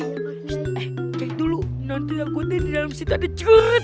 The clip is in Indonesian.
eh cek dulu nanti aku nanti di dalam situ ada jeret nih